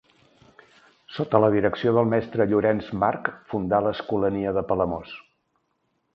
Sota la direcció del mestre Llorenç March fundà l'Escolania de Palamós.